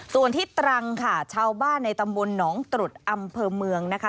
ส่วนที่ตรังค่ะชาวบ้านในตำบลหนองตรุษอำเภอเมืองนะคะ